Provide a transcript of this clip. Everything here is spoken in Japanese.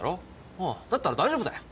ああだったら大丈夫だよ。